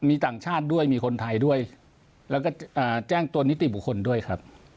มีต่างชาติด้วยมีคนไทยด้วยแล้วก็แจ้งตัวนิติบุคคลด้วยครับ